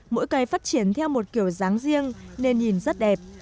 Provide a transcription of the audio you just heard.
mỗi cây phát triển theo một kiểu dáng riêng nên nhìn rất đẹp